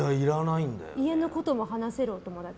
家のことも話せるお友達。